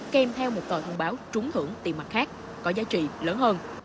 kèm theo một tờ thông báo trúng thưởng tiền mặt khác có giá trị lớn hơn